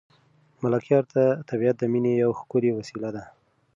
ملکیار ته طبیعت د مینې یوه ښکلې وسیله ده.